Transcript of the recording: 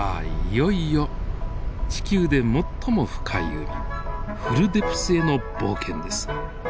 いよいよ地球で最も深い海フルデプスへの冒険です。